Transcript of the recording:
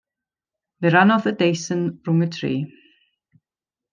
Fe rannodd y deisen rhwng y tri.